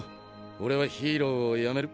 俺はヒーローをやめる。